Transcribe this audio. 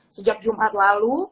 sejak jumat lalu